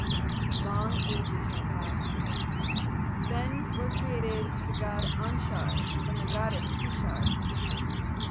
Long ages went past. Then were created the god Anshar and the goddess Kishar.